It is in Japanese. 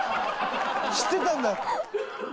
知ってたんだ。